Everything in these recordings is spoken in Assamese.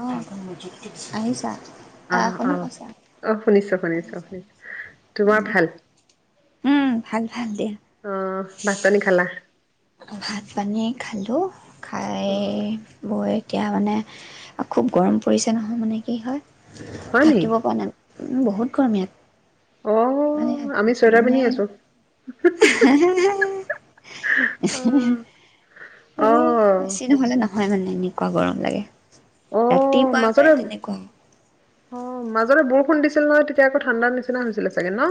অ' । আহিছা? আহ অ' - অ' শুনি পাইছা? । অ' শুনিছোঁ - শুনিছোঁ - শুনিছোঁ । তোমাৰ ভাল? উম, ভাল। ভাল দিয়া। অ' ভাত-পানী খালা? ভাত-পানী খালোঁ। অ খায় বয় এতিয়া মানে, খুব গৰম পৰিছে নহয় মানে কি হয়। হয় নেকি থাকিব পৰা নাই। বহুত গৰম ইয়াত অ । মানে, আ আমি চুৱেটাৰ মানে। পিন্ধি আছো এ, অ অ বেছি নহ'লে নহয় মানে এনে। পুৰা গৰম লাগে। অ ৰাতিপুৱা মাজতে পাই তেনেকুৱা। অ, মাজতে বৰষুণ দিছিল নহয় তেতিয়া আকৌ ঠাণ্ডাৰ নিচিনা হৈছিলে চাগে ন।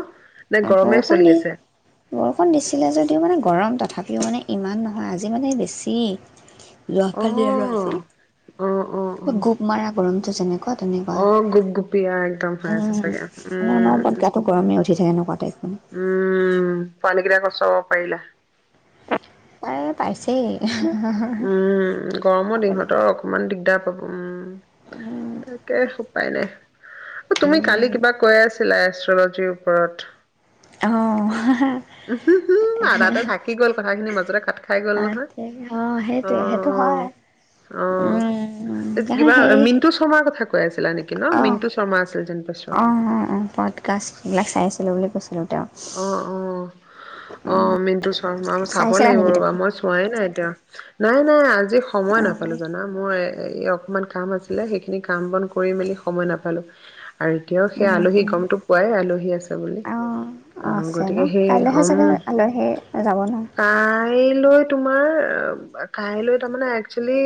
নে গৰমেই চলি বৰষুণ দি, আছে বৰষুণ দিছিলে যদিও মানে গৰম তথাপি। মানে ইমান নহয়, আজি মানে বেছি। যোৱ অ কালি আৰু আজি অ অ অ গোপ মাৰা গৰমটো যেনেকুৱা তেনেকুৱা অ গুপ গুপীয়া একদম হৈ উ আছে চাগে মান উম ওৰত গাাতটো গৰমে উঠি থাকে ন। সটাই [unintelligible] পানী কেইৰা কচাব পাৰিলা। [unintelligible] তাই পাইছেই। উম, গৰমৰ পাবলৈ ইহঁতৰ নাই। অকনমান দিগদাৰ। উম । তাকে । পাইনোই [unintelligible] অ, তুমি উম, কালি কিবা কৈ আছিলা। আছিলা এষ্ট্ৰলজিৰ ওপৰত। অ', উম, আদাতে ঢাকি গ'ল কথাখিনি মাজতে কাত খাই গ'ল অ', নহয়। অ সেইটোৱে সেইটো হয়, অ অ উম এ ন কিবা সেই। মিণ্টু শৰ্মাৰ কথা কৈ আছে। [unintelligible] অ, অ অ অ পডকাষ্ট। চাই আছিলোঁ বুলি কৈছিলোঁ। তেওঁ। অ, অ অ মিন্টু শৰ্মা, চাব চাইছিলা লাগিব নেকি ৰবা তুমি? মই চোৱাই নাই এতিয়া। নাই নাই আজি। আজি সময় অ', নাপালো জানা মই। এই অকণমান কাম আছিলে, সেইখিনি কাম বন কৰি মেলি সময় নাপালোঁ। আৰু এতিয়াও সেই উম, আলহী উম, গমতটো পোৱাই আলহী আছে বুলি। অ' অঁ, আছে ন গতিকে সেই কাইলৈহে উম চাগে আলহী যাব নহ? কাইলৈ তোমাৰ কাইলৈ তাৰমানানে একচুৱেলি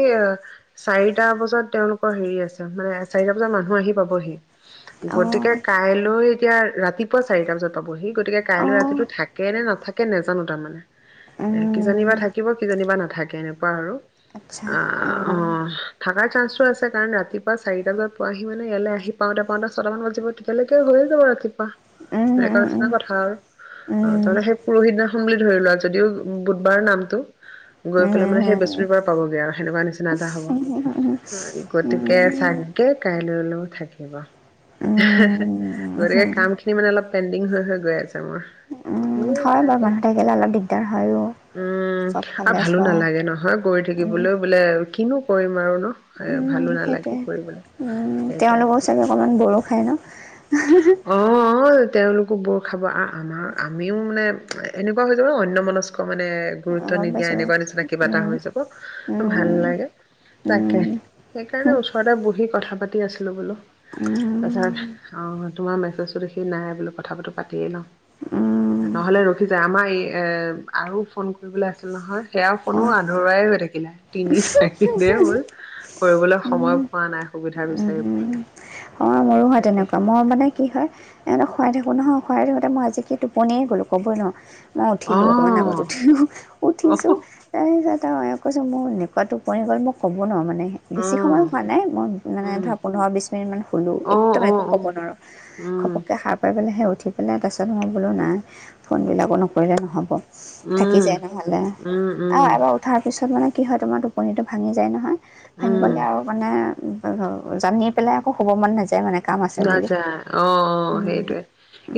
চাৰিটা বজাত তেওঁওলোকৰ হেৰি আছে মানে চাৰিটা বজাত মানুহ আহি পাবহি। গতিকে অ', কাইলৈ এতিয়া ৰাতিপুৱা চাৰিটা বজাত পাবহি। গতিকে কাইলৈ অ'। ৰাতিতটো থাকে নে নাথাকে নেজানো তাৰমানে এ ক কিজানিবা উম, থাকিব, কিজানিবা নাথাকে এনেকুৱা আৰু। আচ্ছা। অ' অ, উম, থাকাৰ চান্সটো আছে কাৰণ ৰাতিপুৱা চাৰিটা বজাত পোৱাহি মানে ইয়ালৈ আহি পাওঁতে পাওঁতে ছটামান বাজিব তেতিয়ালৈকে হৈয়ে যাব ৰাতিপুৱা। উম, উম, [unintelligible] উম, কথা, অ উম। তহলে সেই পুৰহি দিনাখন বুলি ধৰি লোৱা যদিও বুধবাৰৰ নামতটো, গৈ পেলাই মানে সেই হয় বেস্পতিবাৰ পাবগে আৰু সেনেকুৱা নিচিনা এটা হব। গতিকে চাগে কাইলৈ থাকিব। গতিকে কাম খিনি মানে অলপ পেণ্ডিং হৈ গৈ আছে মোৰ সেই বাৰু তাকে, মানুহ থাকিলে অলপ দিগদাৰ হয়ো উম আৰু চবফালে ভালো চোৱা নালাগে নহয় গৈ থাকিবলৈ বোলে কিনো কৰিম আৰু ন উম ভালো নালাগে সেইটোৱে, কৰিবলৈ উম সেইটোৱে তেওঁলোকো চাগে অকমান বৰো খাই ন তেওঁলোক বোৰ খাব আ আমাৰ, আমিও মানে এনেকুৱা হৈ যাব অনন্য় মনস্ক মানে গুৰুত্ব গম নিদিয়া পাইছোঁ এনেকুৱা নিচিনা কিবা এটা উম হৈ যাব ভাল উম লাগে তাকে, উম সেইকাৰণে ওচৰতে বহি কথা পাত পি আছিলো বোলো তাৰছত উম অ তোমাৰ মে তাৰপিছতে সি নাই বোলি ক তথাপিটো পাতিয়ে ন উম নহলে ৰখি যায়, আমাৰ এই এ আৰু ফোন কৰিবলে আছিল নহয়। সেয়া অ ফোনো আধৰুৱাই হৈ থাকিলে। তিনি চাৰিদিনে হ'ল, কৰিবলৈ উম সময় পোৱা নাই। সুবিধা বিচাৰি পোৱা উম, নাই অ মোৰো হয় তাকে তেনেকুৱা। মই মানে কি হয় এঁহতক শুৱাই থাকো নহয় শুৰাই থাকোতে মই আজি কি টোপনিয়ে গলো কবই নোৱাৰ মই উঠিলো এওক অ', অ', কৈছো মোৰ এনেকুৱা টোপনি গল মই ক'ব নোৱাৰো মানে নে, বেছি অ'। সময় শুৱা নাই মই মানে উম, ধৰা পোন্ধৰ বিশ মিনিট মান শুলো, অ', একদম একো অ', ক'ব অ', নোৱাৰো উম, ঘপককে সাৰ পাই পেলে সেই উঠি পেনেল, তাৰছত মই বোলো নাই ফোনবিলাকো নকৰিলে নহ'ব। থাকি উম, যায় নহলে উম, আৰু উম, এবাৰ উঠাৰ পিছত মানে কি হয় তোমাৰ টোপনিটো ভাঙি যায় নহয় উম, ভাঙিবলে আৰু মানে জানি পেলাই আকৌ শুব মন নাযায় মানে কাম আছে বুলি। নাযায়, অ অ উম, সেইটয়ে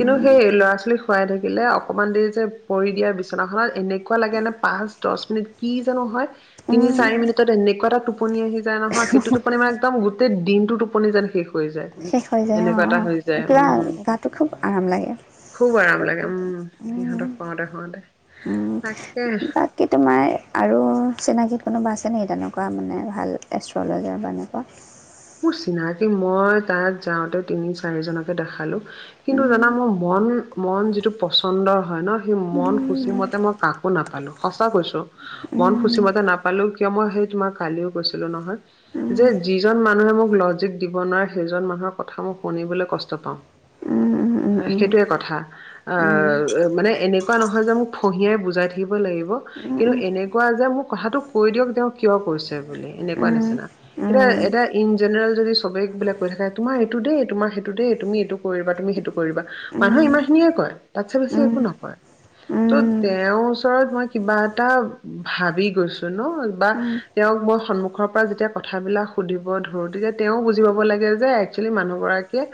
কিন্তু সেই ল'ৰা ছোৱালী শুৱাই থাকিলে অকণমান দেৰি যে পৰি দিয়া বিচনাখনত এনেকুৱা লাগে ন পাঁচ দহ মিনিট কি জানো হয় তিনি উম, চাৰি মিনিটত এনেকুৱা এটা টো টোপনি আহি যায় নহয় সেইটোতো পৰিমাণ একম তে দিনটো টোপনি যোন শেষ হৈয় শেষ হৈ যায় অ অ কিবা উম, গাটো খুব আৰাম লাগে খুব আৰাম উ লাগে উম, সিহঁতক শুৱাওতে শুৱাওতে উ তাকে। বাকী তোমাৰ আৰু চিনাকী কোনোবা আছে নেকি তেনেকুৱা মানে ভাল এষ্ট্ৰলজাৰ বা এনেকুৱা মোৰ চিনাকি মই তাত যাওঁতে তিনি চাৰি জনকে দেখালো কিন্তু উম, জানা মোৰ মন মন যিটো পচন্দৰ হয় ন স মন সূচী উম, মতে মই কাকো নাপালোঁ সঁচা কৈছোঁ মন উম, খুচী মতে নাপালোওঁ কিয় মই সেই তোমাৰ কালিও গৈছিলো নহয় উম, যে উম, যিজন মানুহ মানুহে মোক লজিক দিব নোৱাৰে সেইজন মানুহৰ কথা মই শুনিবলৈ কষ্ট পাওঁ উম উম উম উম এইটোৱে কথা অ মানে এনেকা এনেকুৱা নহয় যে মোক ফঁহিয়াই বুজাই থাকিব লাগিব উম, কিন্তু উম, এনেকুৱা যে মোক কথাটো কৈ দিয়ক তেওঁ কিয় কৈছে বুলি এনেকুৱা উম, নিচিনা উম, এতিয়া এ ইন জেনেৰেল যদি চবে বোাক কৈ থাকে তোমাৰ এইটো দেই তোমাৰ সেইটো দেই তুমি এইটো কৰিবা তুমি সেইটো কৰিবা উম, মানুহে ইমানখিনিয়ে কয় তাতছে বেছি একো নকয় ত' তেওঁৰ ওচৰত মই কিবা এটা ভাবি গৈছো ন বা তেওঁক মই সন্মুখৰ পৰা যেতিয়া কথাবিলাক সুধিব। ধ গতিকে তেওঁ বুজি পাব লাগে যে একচুৱেলি মানুহ গৰাকীয়ে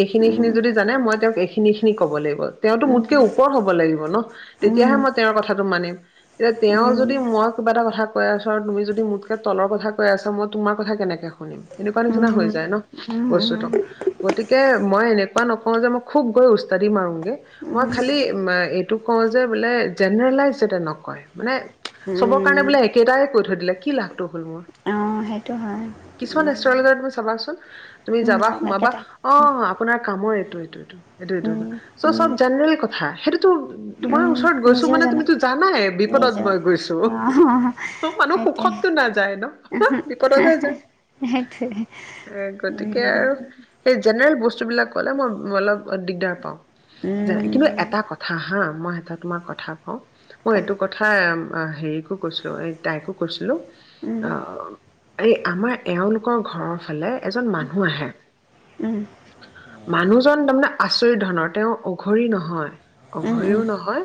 এইখিনি খিনি যদি জানে মই তেওঁক এইখিনি খিনি ক'ব লাগিব' তেওঁতো মোতকে ওপৰ হব লাগিব। ন তেতিয়াহে মই তেওঁৰ কথাটো মানিম এতিয়া তেওঁ যদি মই কিবা এটা কথা কৈ আছো আৰু তুমি যদি মোতকে তলৰ কথা কৈ আছা মই তোমাৰ কথা কেনেকে শুনিম এনেকুৱা নিচিনা হৈ যায় ন বস্তুতো গতিকে মই এনেকুৱা নকওঁ যে মই খুব গৈ উস্তাদি মাৰগে মই খালি এইটো কওঁ যে বোলে জেনেৰেলাইজ যতে নকয় মানে। চবৰ কাৰণে বোলে এক। কেইটাইে কৈ থৈ দিলে কি লাভটো হ'ল মোৰ অঁ সেইটো হয় [unintelligible] উম, চাবাচোন তুমি উম যাবা নাই সোমাবা একেটাই। অ আপোনাৰ কামৰ এইটো এইটো এইটো এইটো এইটো উম, চ উম, চব। জেনেৰেল কথা সেইটোতো তোমাৰ। উম, ওচৰত গৈছো নিজেও মানে জানো তুমিতো জানাই নিজে বিপদত মই গৈছো অ' অ মানুহ সেইটোৱে সুখততো নাযায় ন হ বিপদতে যায় এ সেইটোৱেই গতিকে আৰু সেই জেনেৰেল বস্তু বিলাক কলে মই অলপ দিগদাৰ পাও যেনে কিন্তু উম, এটা কথা হা মই এটা তোমাক কথা কওঁ মই কোৱা এইটো কথা হেৰিকো কৈছিলো এই তাইকো কৈছিলো উম, অ এই আমাৰ। এওঁলোকৰ ঘৰৰ ফালে এজন মানুহ আহে উম, মানুহজন তাৰমানে আচৰিত ধনৰ তেওঁ অঘৰি নহয়ৃ। উম, উম, অঘৰিও নহয়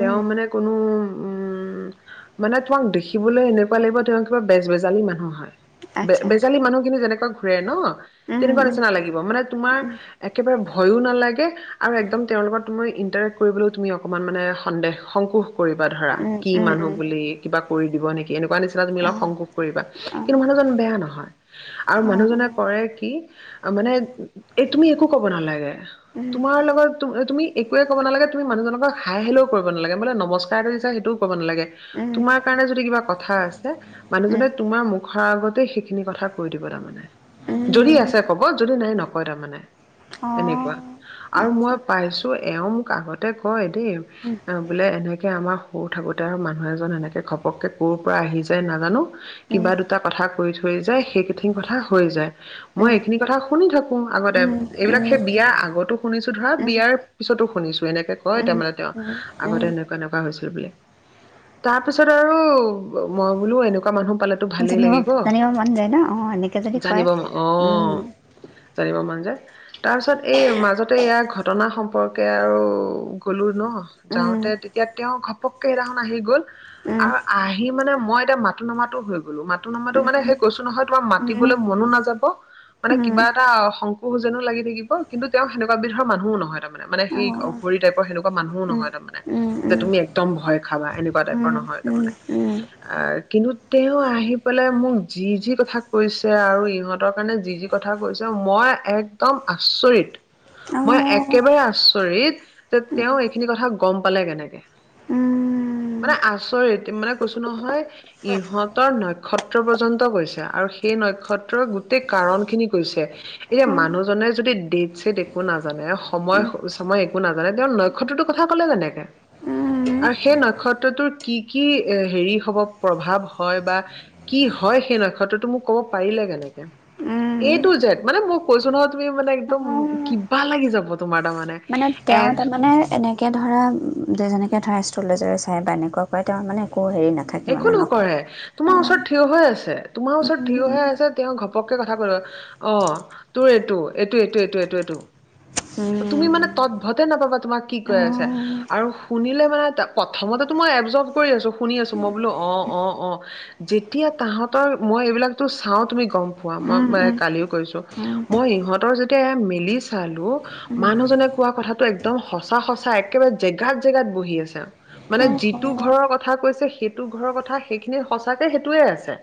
তেওঁ উম, মানে কোনো উম মানে তোমাক দেখিবলৈ এনেকুৱা লাগিব তেওঁ কিবা বেজ বেজালি মানুহ হয়। আচ্ছা বেজালি মানুহ কিন্তু নেদেখাই। অ ঘূৰে ন উম, তেনেকুৱা উম, নিচিনা লাগিব মানে। তোমাৰ উম, একেবাৰে ভয়ো নালাগে আৰু একদম তেওঁৰ লগত তোমাৰ ইণ্টাৰেক্ট কৰিবলৈ তুমি অকমান মানে সন্দেহ সংকোষ। কৰিবা ধৰা উম, কি উম, মানুহ উম, বুলি কিবা কৰি দিব নেকি এনেকুৱা নিচিনা তুমি। অ', অ', বেয়া নহয় আৰু অ', মানুহজনে অ', কৰে কি মানে এ তুমি একো কব নালাগে উম, তোমাৰ লগত তুমি একোৱে কব নালাগে তুমি মানুহজনক হাই হেলেও কৰিব নালাগে বোলে নমস্কাৰটো দিছা সেইটোও কব নালাগে। উম, তোমাৰ কাৰণে যদি কিবা কথা আছে উম, মানুহজনে তোমাৰ মুখৰ আগত গতিকে সেইখিনি কথা কৈ দিব তাৰমানে যদি উম, আছে কব যদি নাই নকয় তাৰমানে। অ', তেনেকুৱা। আৰু মই আচ্ছা। পাইছো এওঁ মোক আগতে কয়। দেই উম, অ বোলে এনেকে এনেকৈ আমাৰ সৰু থাকোঁতে আৰু মানুহ এজন এনেকৈ ঘপককৈ ক'ৰ পৰা আহি যায় নাজানো। উম, কিবা দুটা কথা কৰি থৈ যায় সেইকেইঠিন কথা হৈ যায়। উম, মই এইখিনি কথা শুনি থাকো আগতে উম, এইবিলাক সেই বিয়া আগতো শুনিছো ধৰা উম, উম, বিয়াৰ পিছতো। শুনিছোঁ এনেকৈ কয় উম, তাৰ মানে তেওঁ উম, উম। আগতে এনেকুৱা এনেকুৱা হৈছে। ব তাৰ পিছত আৰু মই বোলো এনেকুৱা মানুহ পালে টো ভালেই জানিব লাগিব জানিব মন যায় ন এনেকে যদি কয় জানিব ।উম, তাৰ পিছত এই মাজতে ইয়াৰ ঘটনা সম্পৰ্কে আৰু গ'লো ন উম, যাওঁতে তেতিয়া তেওঁ ঘপককে সেইদিনাখন আহি গ'ল উম, আৰু আহি মানে মই এতিয়া মাতো নামাতো হৈ গ'লো মাতো নামাতো সেইটো মানে উম, হে কৈছো নহয় তোমাৰ উম, মাতিবলৈ মনো নাযাব মানে উম, কিবা এটা সংকোশ যেনো লাগি থাকিব কিন্তু তেওঁ সেনেকুৱা বিধৰ মানুহও নহয় তাৰ মানে সেই অ', অঘৰী টাইপৰ সেনেকুৱা মানুহও উম। নহয় তাৰ মানে উম, যে উম, তুমি একদম ভয় খাবা এনেকুৱা টাইপৰ উম, নহয় তাৰমানে উম, উম, আহ কিন্তু তেওঁ আহি পেলাই মোক যি যি কথা কৈছে আৰু ইহঁতৰ কাৰণে যি যি কথা কৈছে মই একদম আচৰিত অ', মই উম, একেবাৰে আচৰিত যে উম, তেওঁ এইখিনি কথা গম পালে কেনেকে মানে আচৰিত মানে কৈছো নহয় ইহঁতৰ নক্ষত্ৰ কৈছে আৰু সেই নক্ষত্ৰৰ গোটেই কাৰণ খিনি কৈছে এতিয়া মানুহজনে যদি ডেট ছেট একো নাজানে সময় সময় একো নাজানে তেওঁ নক্ষত্ৰটোৰ কথা কলে তেনেকে অ', উম, আৰু সেই নক্ষত্ৰটোৰ কি কি হেৰি হব প্ৰভাৱ হয় বা। কি হয় সেই নক্ষত্ৰতো মোক কব পাৰিলে কেনেকে উম, এইটো জেড মানে মই কৈছো নহয় তুমি মানে একদম উম, অ'। কিবা লাগি যাব। তোমাৰ তাৰমানে। মানে এ তেওঁ তাৰমানে এনেকে ধৰা যে যেনেকে ধৰাইছে। চুলি যৰে চাই বা এনেকুৱা তেওঁ মানে। অহ হেৰি নাথাকে একো মানে ন। নকৰে তোমাৰ ওচৰত থিয় হৈ আছে তোমাৰ ওচৰত থিয় হৈ আছে তেওঁ ঘপককে কথা কলে অ তোৰ এইটো এইটো এইটো এইটো এইটো এইটো উম তুমি মানে উম তৎভতে নাপাবা তোমাক কি কৈ উম আছে আৰু শুনিলে মানে প্ৰথমতে মই এবজৰ্ভ কৰি আছো শুনি আছো। মই বোলো অ অ অ যেতিয়া তাহতৰ মই এইবিলাকো চাও তুমি গম পোৱা মই উম মানে উম কালিও কৈছো উম মই ইহঁতৰ যেতিয়া মেলি চালো উম মানুহজনে কোৱা কথাটো একদম সঁচা সচা একেবাৰে জেগাত জেগাত বহি আছে মানে যিটো ঘৰৰ কথা কৈছে। সেইটো ঘৰৰ কথা সেইখিনি সচাকে সেইটোয়ে আছে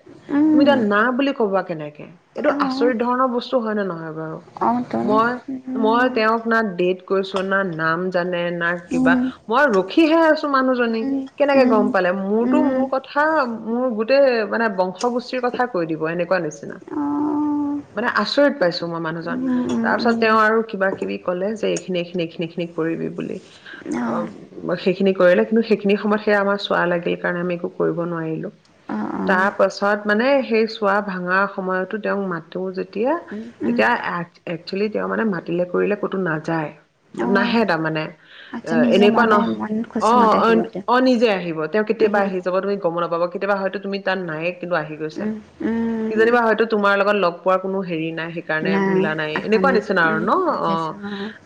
তুমি এতিয়া না বুলি কবা কেনেকে এইটো অ আচৰিত ধৰণৰ বস্তু হয় নে নহয় বাৰু। অ তোন মই উম মই তেওঁক না দেখিছো। কৈছো না নাম জানে না কিবা উম মই ৰখিহে আছো মানুহজনী উম কেনেকে উম উম গম পালে মোৰ মোৰ কথা মোৰ গোটেই মানে বংশগোষ্ঠীৰ কথা কৈ দিব এনেকুৱা নিচিনা অ মানে আচৰিত পাইছো মই মানুহজন উম উম তাৰ পিছত উম তেওঁ আৰু কিবা কিবি কলে যে এইখিনি এইখিনি এইখিনি খিনি কৰিবি বুলি অ সেইখিনি কৰিলে কিন্তু সেইখিনি সময়ত সেয়া আমাৰ চোৱা লাগে। সেইকাৰণে আমি একো কৰিব নোৱাৰিলো, অ অ তাৰ পাছত মানে সেই চোৱা ভাঙা সময়তো তেওঁক মাতেও যে এতিয়া উম উম তেতিয়া এক একচুৱেলি তেওঁ মানে মাতিলে কৰিলে ক'তো নাযায় অ নাহে তাৰমানে। অ আচ্ছা নিজে এনেকুৱা মনে নহয় মন অ খুচি মতে অ আহিব এতিয়া অ নিজে আহিব তেওঁ কেতিয়াবা উম আহি যাব তুমি গম নাপাব কেতিয়াবা হয়তো তুমি তাত নায় কিন্তু আহি গৈছে উম উম কিজনিবা হয়তো তোমাৰ লগত লগ পোৱাৰ কোনো হেৰি নাই সেইকাৰণে মিলা নাই এনেকুৱা নিচিনা আৰু, ন অ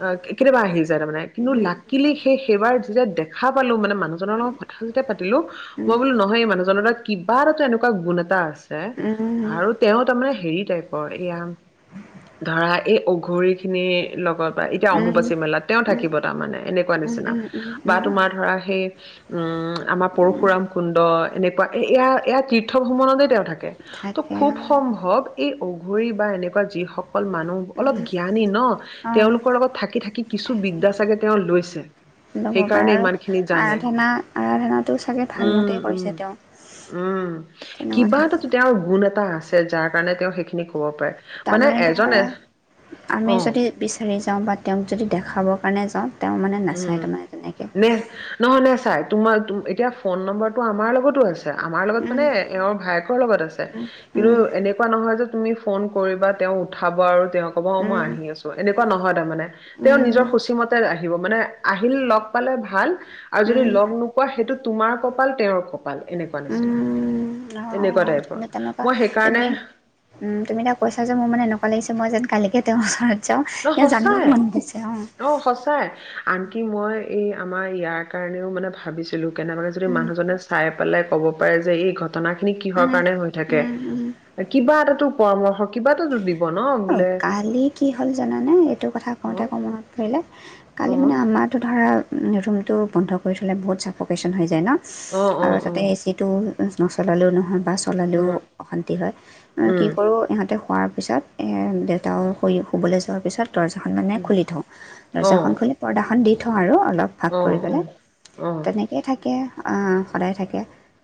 অ, কেতিয়াবা আহি যায় তাৰমানে কিন্তু উম লাকিলি সেই সেইবাৰ যেতিয়া দেখা পালোঁ মানে, মানুহজনৰ লগত কথা যেতিয়া দো মই উম বোলো নহয় এই মানুহ জনৰ দ কিবা এটা এনেকুৱা গুণ এটা আছে উম আৰু তেওঁ তাৰমানে হেৰি টাইপৰ এয়া ধৰা এই অঘৰি খিনিৰ লগত এতিয়া অম্বুবাসী উম মেলাত তেওঁ উম উম উম উম উম থাকে। [unintelligible] পৰশুৰাম কুণ্ড এনেকুৱা এয়া এয়া তীৰ্থ ভ্ৰমণতে তেওঁ থাকে। তো থাকে অ খুব সম্ভৱ ভৱ এই অঘৰি বা এনেকুৱা যিসকল মানুহ অলপ উম জ্ঞানী ন, অ তেওঁলোকৰ লগত থাকে থাকি থাকি কিছু থাকে বিদ্যা চাগে তেওঁ লৈছে। ল'ব পাৰে সেইকাৰণে আৰু ইমান খিনি জানে আৰাধনা আৰাধনা টো চাগে উম ভালমতেই উম কৰিছে তেওঁ উম তেনেকুৱা কিবা এটা থাকে। তেওঁৰ গুণ এটা আছে যাৰ কাৰণে তেওঁ সেইখিনি ক'ব পাৰে। মানে তাৰমানে এজন ধৰা আমি অ যদি বিচাৰি যাওঁ বা তেওঁক যদি দেখাব মানে যাওঁ তেওঁ মানে নাচায় তাৰমানে তেনেক চাই তোমাৰ এতিয়া ফোন নম্বৰটো আমাৰ লগতো আছে আমাৰ লগত উম মানে এওঁৰ ভায়েকৰ লগত আছে উম কিন্তু এনেকুৱা নহয় যে তুমি ফোন কৰিবা তেওঁ উঠাব আৰু তেওঁ ক'ব মই উম আহি আছো এনেকুৱা নহয় তাৰানে তেওঁ উম নিজৰ সূচী মতে আহিব মানে আহিল লগ পালে ভাল আৰু উম যদি উম লগ নোপোৱা সেইটো তোমাৰ কপাল তেওঁৰ কপাল এনেকুৱা নিচিনা উম অ অ এনেকুৱা টাইপৰ। কিন্তু তেনেকুৱা মই সেইকাৰণে তুমি উম তুমি তাক পইছা যে মোৰ মেকা লাগিছে মই যেন কালিকে তেওঁ মাচ ন এ জানিব সঁচাই মন গৈছে অ, আনকি মই এই আমাৰ ইয়াৰ কাৰণেও মানে ভাবিছিলো কেনে মানে যদি মানুহজনে চাই পেলাই কব পাৰে যে এই ঘটনা খিনি কিহৰ কাৰণে হৈ থাকে কিবা এটাাতটো পৰামৰ্শ কিবা এটো অ কালি কি হ'ল জান, উম এইটো কথা অ কওঁঁতে আকৌ মনত পৰিলে। অ কালি মানে আমাৰতো ধৰা ৰুমটো বন্ধ কৰি থ'লে বহুত চাফকেশ্যন হৈ যায় ন, অ অ আৰু অ তাতে এচিটো টেষ্ট মচলা হ'লেও নহয় বা চলালেও উম অশান্তি হয় আৰু কি উম কৰোঁ ইহঁতেও খোৱাত পিছত এয়া দেউতাও শুই শুবলৈ যোৱাৰ পিছত দৰ্জাখন মানে উম খুলি থওঁ আহ্, অ দৰ্জাখন খুলি পৰ্দাখন দি থওঁ আৰু অল অলপ ফাঁক অ অ কৰি অ পেলাই চু উম তেনেকেই থাকে আৰ আ আ সদায় থাকে।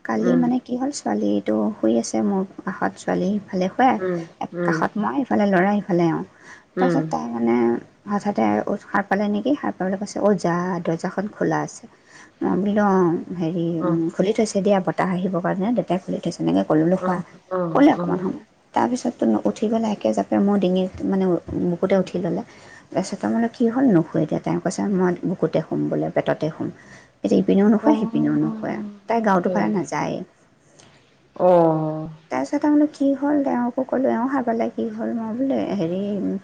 কালি মানে কি হ'ল ছোৱালী তো শুই আছে মোৰ কাষত ছোৱালী ভালে হয় উম এক উম কাষত সিফালে ল'ৰা সেইফালে এওঁ। আহ্ উম তাৰপিছত তাৰ মানে আ হঠাতে আৰু উঠ সাৰ পালে নেকি সাৰ পেলাই কৈছে, ও জা দৰ্জাখন খোলা আছে আহ্ বুলি লওঁ হেৰি অ উ উ খুলি থৈছে দিয়া ব তাই আহিব কাৰণে দেউতাই খুলি থৈছে তেনেকে ক'লল্লো অ খোৱা অ হ'লেও অ অকমান সময় তাৰপিছত তেনেকুৱা উঠি পেলাই একে জাপে মোৰ ডিঙিত মানে উ বুকুতে উঠি ল'লে তাৰপিছে তাৰ মানে কি হ'ল নুশুৱে দিয়া তেওঁ কৈছে মই বুকুতে শুম বোলে পেটতে শুম আহ্ এতিয়া ইপিনেও অ নোশুৱে সিপিনেও নোশুৱে তাই গাৰুটোৰ ফালে নেযায়ে ওওও আৰু বোলো ওহ কি হ'ল তেওঁৰ অসুখ হ'লে এওঁ হা পালে কি হ'ল মই বোলে হেৰি উম